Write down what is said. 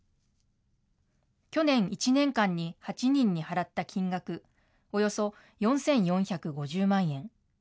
去年１年間に８人に払った金額、およそ４４５０万円。